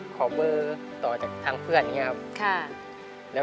ขอเบอร์ต่อจากทางเพื่อนอย่างนี้ครับ